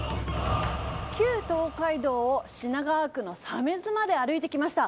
旧東海道を品川区の鮫洲まで歩いてきました。